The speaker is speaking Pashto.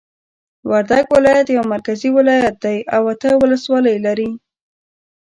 وردګ ولایت یو مرکزی ولایت دی او اته ولسوالۍ لری